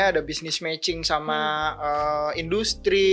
ada business matching sama industri